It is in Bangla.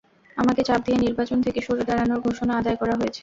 আমাকে চাপ দিয়ে নির্বাচন থেকে সরে দাঁড়ানোর ঘোষণা আদায় করা হয়েছে।